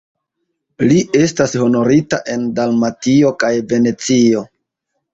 Li estas honorita en Dalmatio kaj Venecio.